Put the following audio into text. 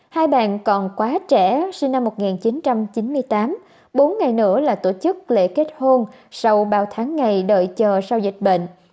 hai bạn còn quá trẻ sinh năm một nghìn chín trăm chín mươi tám bốn ngày nữa là tổ chức lễ kết hôn sau bao tháng ngày đợi chờ sau dịch bệnh